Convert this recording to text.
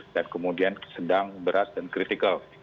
dan kemudian sedang berat dan kritikal